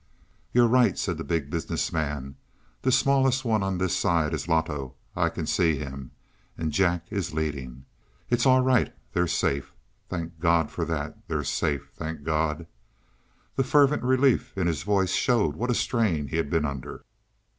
"You're right," said the Big Business Man. "The smallest one on this side is Loto; I can see him. And Jack is leading. It's all right; they're safe. Thank God for that; they're safe, thank God!" The fervent relief in his voice showed what a strain he had been under.